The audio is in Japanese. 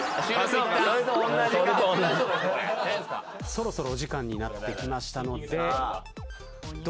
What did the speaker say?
そろそろお時間になってきましたのでどうでしょう？